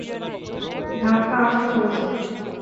ধাক্কা আসতে চলেছে।